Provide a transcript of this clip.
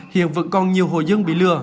hiện vẫn còn nhiều hồ dân bị lừa